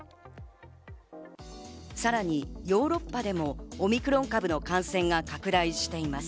さらにヨーロッパでもオミクロン株の感染が拡大しています。